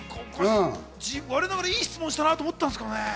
我ながらいい質問したと思ったんですけどね。